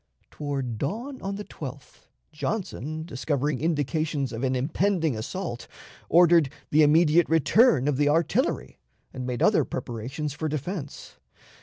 Toward dawn on the 12th, Johnson, discovering indications of an impending assault, ordered the immediate return of the artillery, and made other preparations for defense.